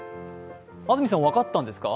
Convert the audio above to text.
安住さん、分かったんですか？